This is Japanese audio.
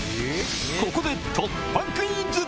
ここで突破クイズ！